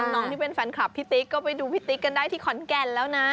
น้องที่เป็นแฟนคลับพี่ติ๊กก็ไปดูพี่ติ๊กกันได้ที่ขอนแก่นแล้วนะ